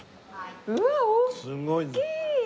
うわっ大きい！